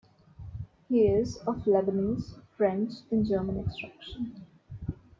He is of Lebanese, French, and German extraction.